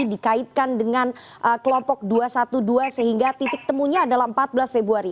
dikaitkan dengan kelompok dua ratus dua belas sehingga titik temunya adalah empat belas februari